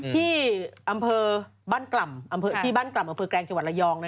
ที่อำเภอบ้านกล่ำอำเภอแกรงจังหวัดระยอง